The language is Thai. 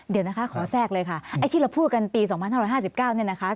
เดี๋ยวนะคะขอแทรกเลยค่ะไอ้ที่เราพูดกันปี๒๕๕๙เนี่ยนะคะ